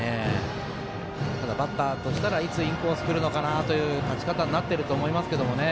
ただ、バッターとしてはいつインコースくるのかなという立ち方になってると思いますけどね。